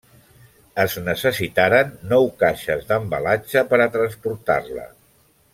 Es necessitaren nou caixes d'embalatge per a transportar-la.